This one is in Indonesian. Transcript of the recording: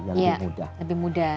yang lebih mudah